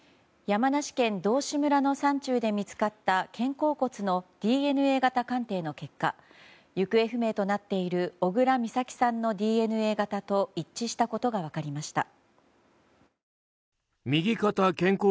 山梨県道志村の山中で見つかった肩甲骨のＤＮＡ型鑑定の結果行方不明となっている小倉美咲さんのＤＮＡ型と一致したことが分かりました。